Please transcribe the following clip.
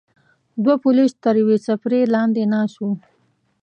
دوه پولیس تر یوې څپرې لاندې ناست وو.